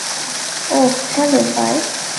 ওহ, hello, বায!